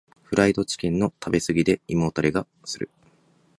フライドチキンの食べ過ぎで胃もたれがする。